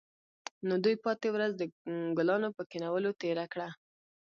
نو دوی پاتې ورځ د ګلانو په کینولو تیره کړه